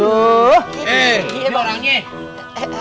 eh ini barangnya